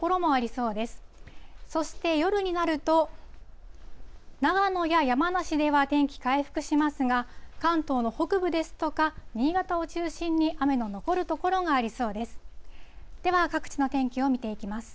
そして夜になると、長野や山梨では天気回復しますが、関東の北部ですとか、新潟を中心に雨の残る所がありそうです。